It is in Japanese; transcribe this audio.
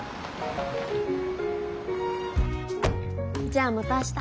じゃあまた明日。